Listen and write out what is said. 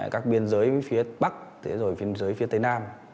các biên giới phía bắc rồi biên giới phía tây nam